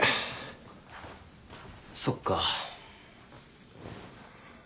そっか。